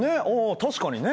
確かにね。